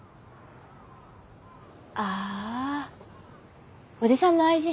ああおじさんの愛人？